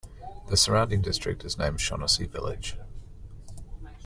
The surrounding district is named Shaughnessy Village.